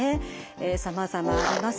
さまざまあります。